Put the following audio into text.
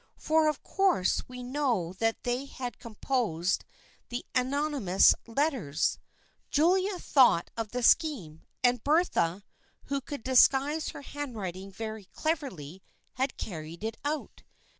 For of course we know that they had composed the anonymous let ters. Julia thought of the scheme, and Bertha, who could disguise her handwriting very cleverly, had carried it out.